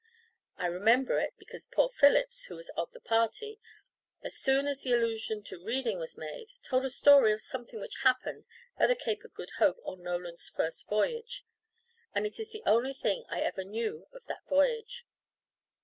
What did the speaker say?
I remember it, because poor Phillips, who was of the party, as soon as the allusion to reading was made, told a story of something which happened at the Cape of Good Hope on Nolan's first voyage; and it is the only thing I ever knew of that voyage.